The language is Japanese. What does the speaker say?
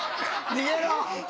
逃げろ！